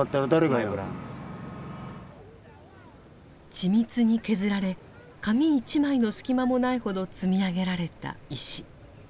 緻密に削られ紙一枚の隙間もないほど積み上げられた石。